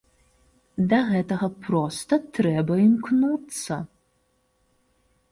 Да гэтага проста трэба імкнуцца!